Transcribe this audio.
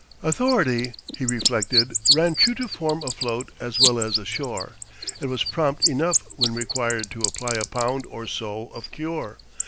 Authority, he reflected, ran true to form afloat as well as ashore; it was prompt enough when required to apply a pound or so of cure.